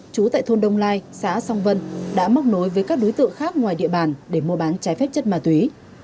chú tại thôn đông lai xã song vân đã móc nối với các đối tượng khác ngoài địa bàn để mua bán trái phép chất ma túy